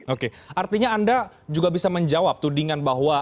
oke artinya anda juga bisa menjawab tuh dengan bahwa